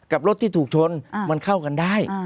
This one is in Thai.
กับรถที่ถูกชนมันเข้ากันได้